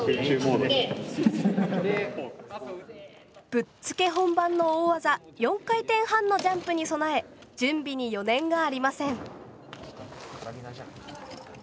ぶっつけ本番の大技４回転半のジャンプに備え準備に余念がありません。